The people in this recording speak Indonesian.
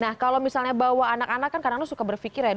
nah kalau misalnya bawa anak anak kan kadang kadang suka berpikir ya